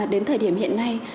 đến thời điểm hiện nay